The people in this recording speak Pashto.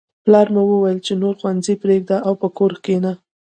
پلار مې وویل چې نور ښوونځی پریږده او په کور کښېنه